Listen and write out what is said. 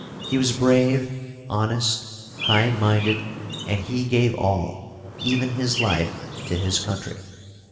He was brave, honest, high minded, and he gave all, even his life, to his country.